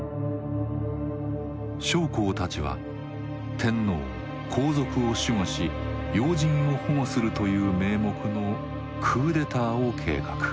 将校たちは天皇皇族を守護し要人を保護するという名目のクーデターを計画。